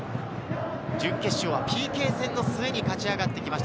準決勝はＰＫ戦の末に勝ち上がってきました